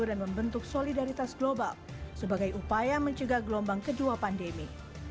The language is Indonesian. dan membentuk solidaritas global sebagai upaya mencegah gelombang kedua pandemi